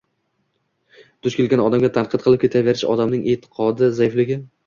Duch kelgan odamga taqlid qilib ketaverish odamning e’tiqodi zaifligi